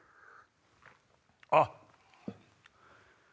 あっ！